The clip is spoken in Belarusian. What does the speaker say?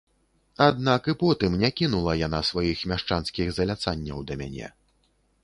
Аднак і потым не кінула яна сваіх мяшчанскіх заляцанняў да мяне.